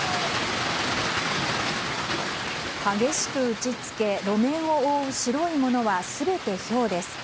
激しく打ち付け、路面を覆う白いものは全てひょうです。